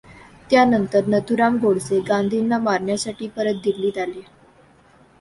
त्यानंतर नथुराम गोडसे गांधींना मारण्यासाठी परत दिल्लीत आले.